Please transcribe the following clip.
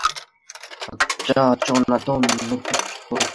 আচ্ছা, শোনার জন্য ধন্যবাদ, শুভরাত্রি।